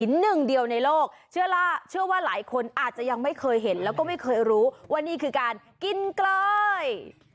หนึ่งเดียวในโลกเชื่อว่าหลายคนอาจจะยังไม่เคยเห็นแล้วก็ไม่เคยรู้ว่านี่คือการกินกลอย